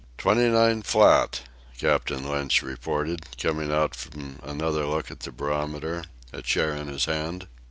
"Twenty nine flat," Captain Lynch reported, coming out from another look at the barometer, a chair in his hand.